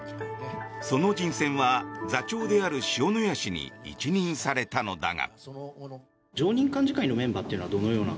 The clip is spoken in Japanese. その人選は座長である塩谷氏に一任されたのだが。